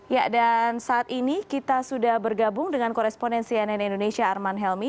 ya dan saat ini kita sudah bergabung dengan koresponen cnn indonesia arman helmi